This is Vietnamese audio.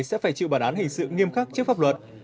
sẽ phải chịu bản án hình sự nghiêm khắc trước pháp luật